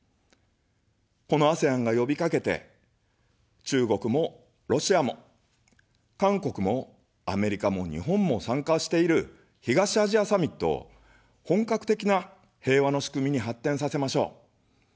このＡＳＥＡＮがよびかけて、中国もロシアも韓国もアメリカも日本も参加している、東アジアサミットを本格的な平和の仕組みに発展させましょう。